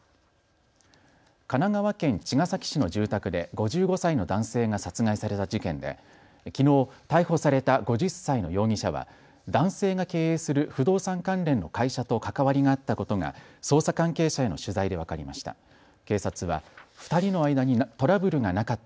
神奈川県茅ヶ崎市の住宅で５５歳の男性が殺害された事件できのう逮捕された５０歳の容疑者は男性が経営する不動産関連の会社と関わりがあったことが捜査関係者への取材で分かりました。